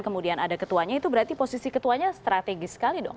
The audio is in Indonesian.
kemudian ada ketuanya itu berarti posisi ketuanya strategis sekali dong